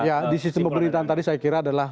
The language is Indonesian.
ya di sistem pemerintahan tadi saya kira adalah